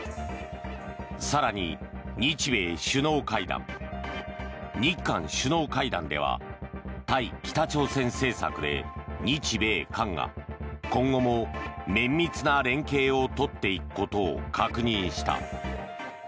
更に、日米首脳会談日韓首脳会談では対北朝鮮政策で、日米韓が今後も綿密な連携を取っていくことを確認した。